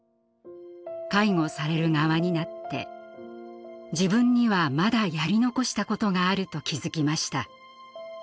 介護される側になって自分にはまだやり残したことがあると気付きました。